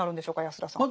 安田さん。